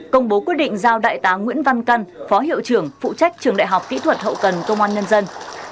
công bố quyết định giao đại tá nguyễn văn căn phó hiệu trưởng phụ trách trường đại học kỹ thuật hậu cần công an nhân dân